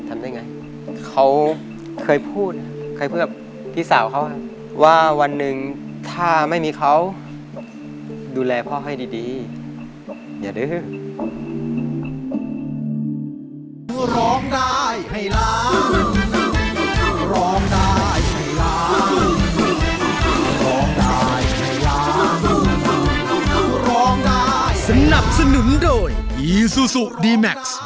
เขาเคยพูดเคยพูดกับพี่สาวเขาว่าวันหนึ่งถ้าไม่มีเขาดูแลพ่อให้ดีอย่าดื้อ